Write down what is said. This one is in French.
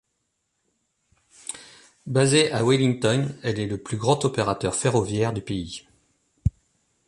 Basée à Wellington, elle est le plus grand opérateur ferroviaire du pays.